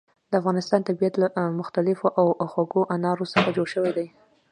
د افغانستان طبیعت له مختلفو او خوږو انارو څخه جوړ شوی دی.